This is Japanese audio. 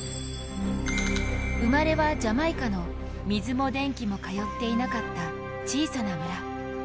生まれはジャマイカの水も電気も通っていなかった小さな村。